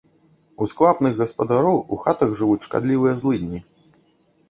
У сквапных гаспадароў у хатах жывуць шкадлівыя злыдні.